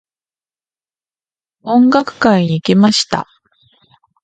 音楽会に行きました。